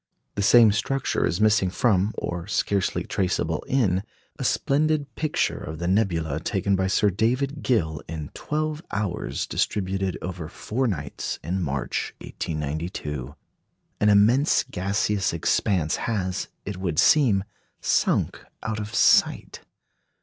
The same structure is missing from, or scarcely traceable in, a splendid picture of the nebula taken by Sir David Gill in twelve hours distributed over four nights in March, 1892. An immense gaseous expanse has, it would seem, sunk out of sight.